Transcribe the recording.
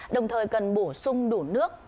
đồng thời cần bổ sung đủ nước